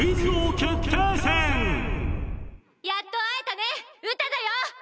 「やっと会えたねウタだよ」